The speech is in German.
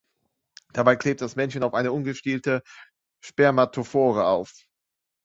Dabei klebt das Männchen eine ungestielte Spermatophore auf.